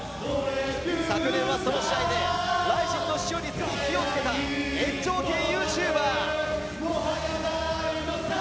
昨年はその試合でＲＩＺＩＮの視聴率に火を付けた炎上系ＹｏｕＴｕｂｅｒ。